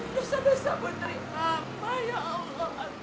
dosa dosa betai apa ya allah